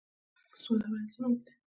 بسم الله ویل سنت دي